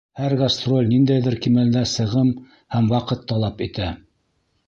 Һәр гастроль ниндәйҙер кимәлдә сығым һәм ваҡыт талап итә.